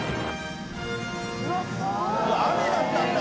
雨だったんだ。